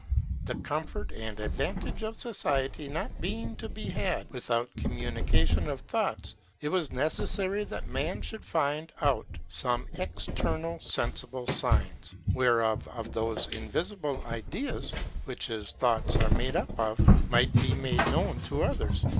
The comfort and advantage of society not being to be had without communication of thoughts, it was necessary that man should find out some external sensible signs, whereof those invisible ideas, which his thoughts are made up of, might be made known to others.